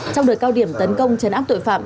trong đợt cao điểm tấn công chấn áp tội phạm